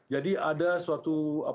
jadi ada suatu trauma yang dibutuhkan